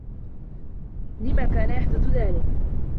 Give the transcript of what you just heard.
لم كان يحدث ذلك؟